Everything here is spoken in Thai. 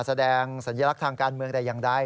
แสดงสัญลักษณ์ทางการเมืองแต่อย่างใด